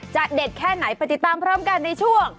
เด็ดแค่ไหนไปติดตามพร้อมกันในช่วง